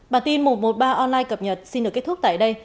bản tin một trăm một mươi ba online cập nhật xin được kết thúc tại đây